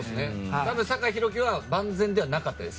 多分、酒井宏樹は万全ではなかったです。